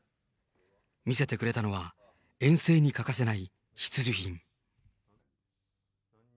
見せてくれたのは遠征に欠かせない必需品。